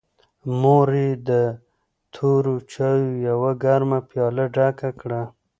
مور یې د تورو چایو یوه ګرمه پیاله ډکه کړه.